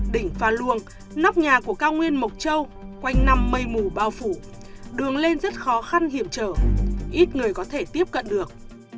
đỉnh pha luông nóc nhà của cao nguyên mộc châu quanh năm mây mù bao phủ đường lên rất khó khăn hiểm trở ít người có thể tiếp cận được